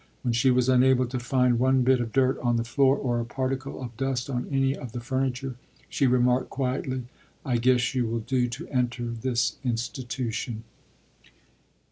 When she was unable to find one bit of dirt on the floor, or a particle of dust on any of the furniture, she remarked quietly, "I guess you will do to enter this institution."